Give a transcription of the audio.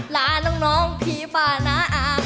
ลาน้องพี่ป้าน้าอา